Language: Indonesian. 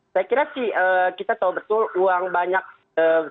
saya kira sih kita tahu betul uang banyak besar empat puluh delapan miliar itu